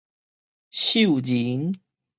獸人